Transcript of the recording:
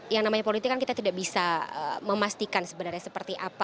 yang namanya politik kan kita tidak bisa memastikan sebenarnya seperti apa